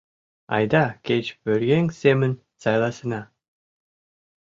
— Айда кеч пӧръеҥ семын сайласена.